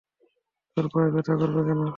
তোর পায়ে ব্যথা করবে কেন?